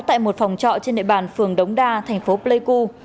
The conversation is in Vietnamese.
tại một phòng trọ trên địa bàn phường đống đa thành phố pleiku